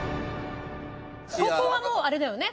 ここはもうあれだよね？